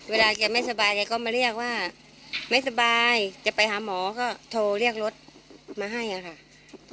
เวลาแกไม่สบายแกก็มาเรียกว่าไม่สบายจะไปหาหมอก็โทรเรียกรถมาให้อะค่ะ